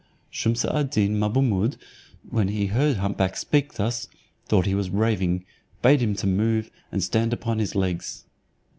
Shumse ad Deen Mabummud, when he heard hump back speak thus, thought he was raving, bade him move, and stand upon his legs.